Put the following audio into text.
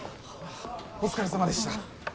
お疲れさまでした。